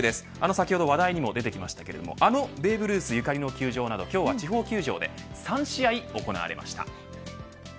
先ほど話題にもでできましたけどこのベーブ・ルースゆかりの球場など今日は地方球場で３試合行われました。